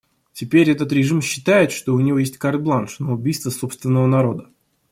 Теперь этот режим считает, что у него есть карт-бланш на убийство собственного народа.